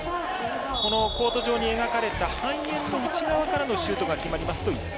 このコート上に描かれた半円からのシュートが決まりますと１点。